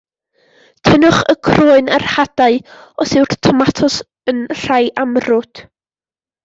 Tynnwch y croen a'r hadau os yw'r tomatos yn rhai amrwd.